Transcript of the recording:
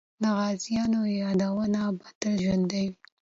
د غازیانو یادونه به تل ژوندۍ وي.